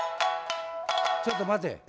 ちょっと待て。え？